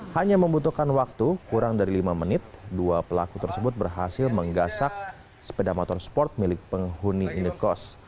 hanya membutuhkan waktu kurang dari lima menit dua pelaku tersebut berhasil menggasak sepeda motor sport milik penghuni indekos